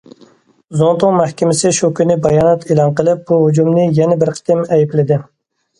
زۇڭتۇڭ مەھكىمىسى شۇ كۈنى بايانات ئېلان قىلىپ بۇ ھۇجۇمنى يەنە بىر قېتىم ئەيىبلىدى.